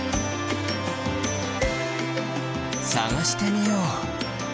さがしてみよう！